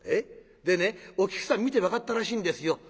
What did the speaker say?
「でねお菊さん見て分かったらしいんですよ。